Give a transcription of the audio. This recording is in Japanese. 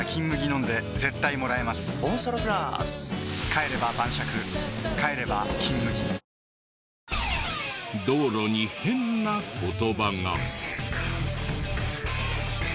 帰れば晩酌帰れば「金麦」道路に変な言葉が。